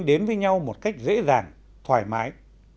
đến với nhau một cách dễ dàng thoải mái